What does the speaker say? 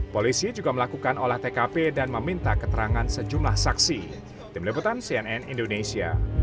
polisi juga melakukan olah tkp dan meminta keterangan sejumlah saksi